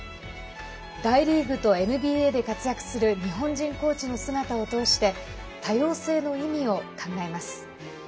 大リーグとＮＢＡで活躍する日本人コーチの姿を通して多様性の意味を考えます。